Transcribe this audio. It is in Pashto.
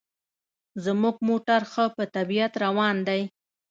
زموږ موټر ښه په طبیعت روان دی.